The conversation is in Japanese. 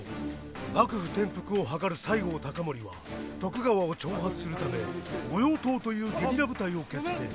幕府転覆を謀る西郷隆盛は徳川を挑発するため御用盗というゲリラ部隊を結成。